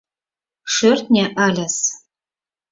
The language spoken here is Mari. Шӧртньӧ ыльыс...